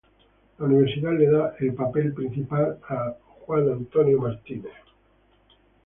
La Universal le da el papel principal a Lon Chaney, Jr.